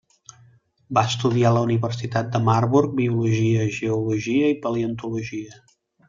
Va estudiar a la Universitat de Marburg Biologia, Geologia i Paleontologia.